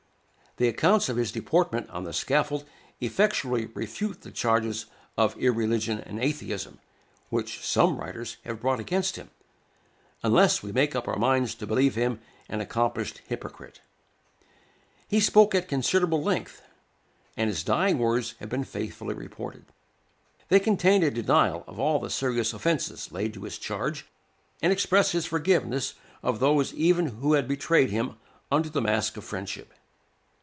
The accounts of his deportment on the scaffold effectually refute the charges of irreligion and atheism, which some writers have brought against him, unless we make up our minds to believe him an accomplished hypocrite. He spoke at considerable length, and his dying words have been faithfully reported. They contain a denial of all the serious offences laid to his charge, and express his forgiveness of those even who had betrayed him under the mask of friendship.